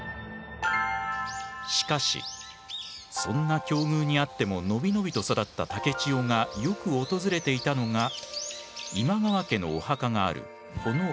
しかしそんな境遇にあっても伸び伸びと育った竹千代がよく訪れていたのが今川家のお墓があるこのお寺。